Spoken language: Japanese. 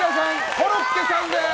コロッケさんです！